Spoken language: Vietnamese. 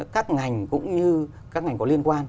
các ngành cũng như các ngành có liên quan